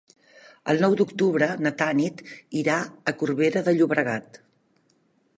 El nou d'octubre na Tanit irà a Corbera de Llobregat.